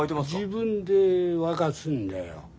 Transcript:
自分で沸かすんだよ。